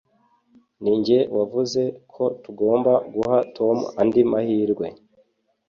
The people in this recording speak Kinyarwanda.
Ninjye wavuze ko tugomba guha Tom andi mahirwe.